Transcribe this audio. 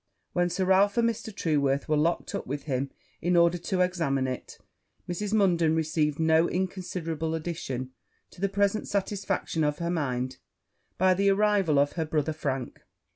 While Sir Ralph and Mr. Trueworth were locked up with him in order to examine it, Mrs. Munden received no inconsiderable addition to the present satisfaction of her mind by the arrival of her brother Frank.